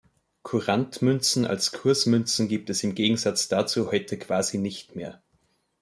Kurantmünzen als Kursmünzen gibt es im Gegensatz dazu heute quasi nicht mehr.